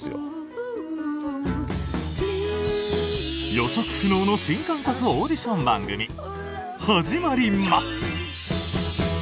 予測不能の新感覚オーディション番組始まります！